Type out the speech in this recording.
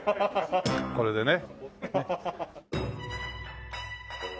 これでね。